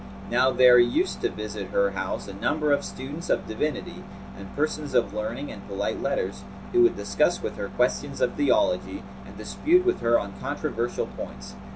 Now there used to visit her house a number of students of divinity and persons of learning and polite letters, who would discuss with her questions of theology and dispute with her on controversial points.